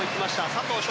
佐藤翔